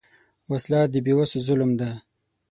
وسله د بېوسو ظلم ده